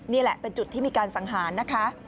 นี่แหละเป็นจุดที่มีการสังหารนะคะ